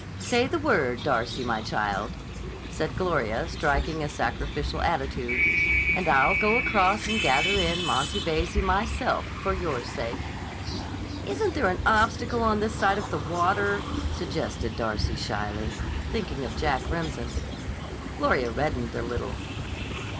Say the word, Darcy, my child," said Gloria striking a sacrificial attitude, "and I'll go across and gather in Monty Veyze, myself, for your sake." "Isn't there an obstacle on this side of the water?" suggested Darcy shyly, thinking of Jack Remsen. Gloria reddened a little.